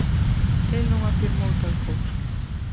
El non afirmou tal cousa.